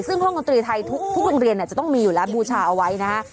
ซึ่งห้องดนตรีไทยทุกโรงเรียนจะต้องมีอยู่แล้วบูชาเอาไว้นะฮะ